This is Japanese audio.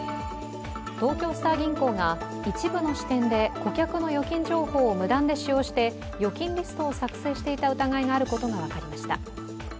東京スター銀行が一部の支店で顧客の預金情報を無断で使用して預金リストを作成していた疑いがあることが分かりました。